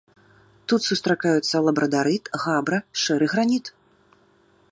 Тут сустракаюцца лабрадарыт, габра, шэры граніт.